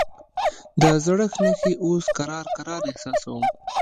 د زړښت نښې اوس کرار کرار احساسوم.